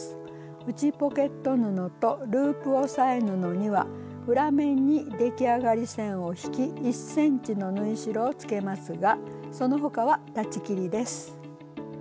内ポケット布とループ押さえ布には裏面に出来上がり線を引き１ｃｍの縫い代をつけますがその他は裁ち切りです。